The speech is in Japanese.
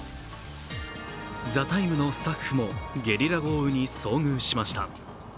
「ＴＨＥＴＩＭＥ，」のスタッフもゲリラ豪雨に遭遇しました。